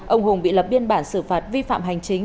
ông hùng bị lập biên bản xử phạt vi phạm hành chính